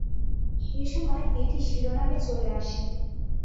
সেসময় এটি শিরোনামে চলে আসে।